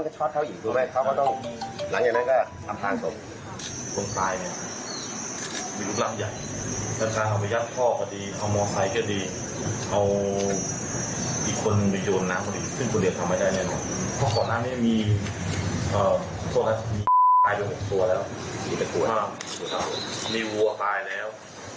ครับมีวัวภายแล้ว